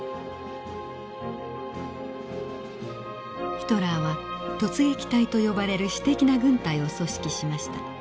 ヒトラーは突撃隊と呼ばれる私的な軍隊を組織しました。